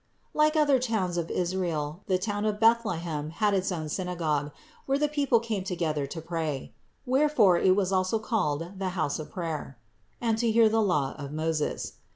530. Like other towns of Israel, the city of Bethlehem had its own synagogue, where the people came together to pray (wherefore it was also called the house of prayer), and to hear the law of Moses.